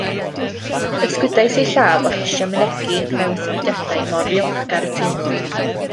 Ysgydwais ei llaw a cheisio mynegi mewn symudiadau mor ddiolchgar y teimlwn